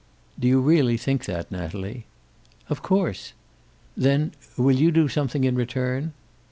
"Do you really think that, Natalie?" "Of course." "Then will you do something in return?"